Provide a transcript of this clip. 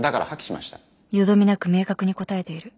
よどみなく明確に答えている